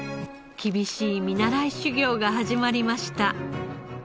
厳しい見習い修業が始まりました。